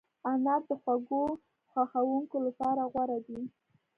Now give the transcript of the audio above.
انار د خوږو خوښونکو لپاره غوره دی.